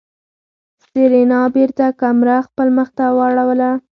سېرېنا بېرته کمره خپل مخ ته واړوله.